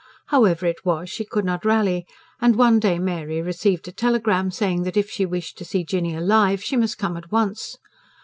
However it was, she could not rally; and one day Mary received a telegram saying that if she wished to see Jinny alive, she must come at once.